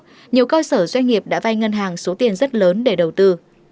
do đó nhiều cơ sở doanh nghiệp đã vay ngân hàng số tiền rất lớn để đầu tư